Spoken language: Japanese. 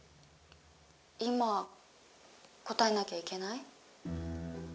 今答えなきゃいけない？